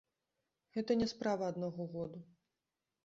Гэта не справа аднаго году.